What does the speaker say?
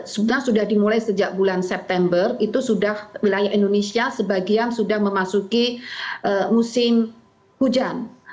sebenarnya sudah dimulai sejak bulan september itu sudah wilayah indonesia sebagian sudah memasuki musim hujan